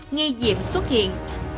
nghi diệm xuất hiện